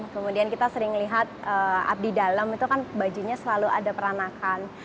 kemudian kita sering lihat abdi dalam itu kan bajunya selalu ada peranakan